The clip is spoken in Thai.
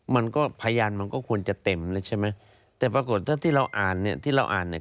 มันก็พยานมันก็ควรจะเต็มเลยใช่ไหมแต่ปรากฏถ้าที่เราอ่านเนี่ย